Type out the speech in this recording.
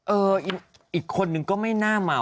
เอออีกคนนึงก็ไม่น่าเมานะ